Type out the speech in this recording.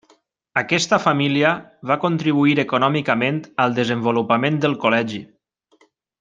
Aquesta família va contribuir econòmicament al desenvolupament del col·legi.